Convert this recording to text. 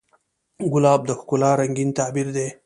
ګلاب د ښکلا رنګین تعبیر دی.